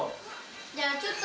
・じゃあちょっと。